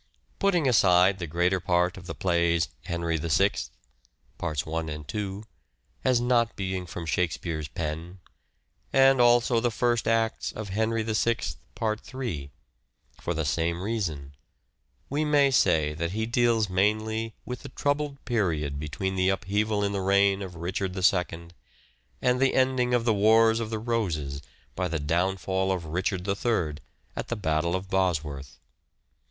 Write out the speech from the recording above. Putting aside the greater part of the plays " Henry VI," parts i and 2, as not being from Shakespeare's pen, and also the first acts of " Henry VI," part 3, for the same reason, we may say that he deals mainly with the troubled period between the upheaval in the reign of Richard II and the ending of the Wars of the Roses by the downfall of Richard III at the Battle of Bos worth.